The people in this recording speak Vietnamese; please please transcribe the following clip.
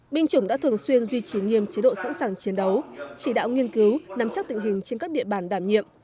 binh chủng đã thường xuyên duy trì nghiêm chế độ sẵn sàng chiến đấu chỉ đạo nghiên cứu nắm chắc tình hình trên các địa bàn đảm nhiệm